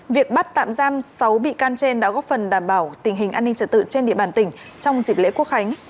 việc bắt tạm giam sáu bị can trên đã góp phần đảm bảo tình hình an ninh trật tự trên địa bàn tỉnh trong dịp lễ quốc khánh